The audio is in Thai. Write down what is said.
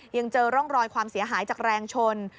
ยังเจอร่องรอยความเสียหายจากแรงชน